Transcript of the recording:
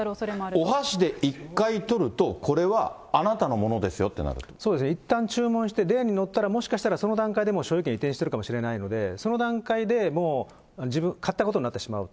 お箸で一回取ると、これはあなたのものですよっていうことにそうですね、いったん注文して、レーン載ったら、もしかしたらその段階でもう所有権、移転してるかもしれないので、その段階で、もう買ったことになってしまう。